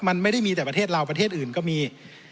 มันไม่ได้มีแต่ประเทศเราประเทศอื่นก็มี